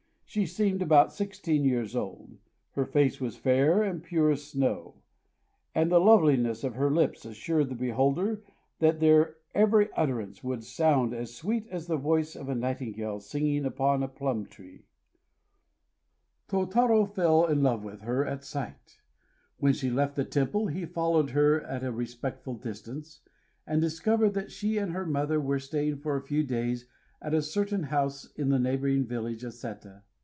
She seemed about sixteen years old; her face was fair and pure as snow; and the loveliness of her lips assured the beholder that their every utterance would sound "as sweet as the voice of a nightingale singing upon a plum tree." Tôtarô fell in love with her at sight. When she left the temple he followed her at a respectful distance, and discovered that she and her mother were staying for a few days at a certain house in the neighboring village of Séta.